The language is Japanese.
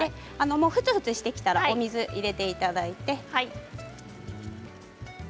ふつふつしたらお水を入れていただいて。